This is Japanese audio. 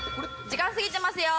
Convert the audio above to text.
時間過ぎてますよ。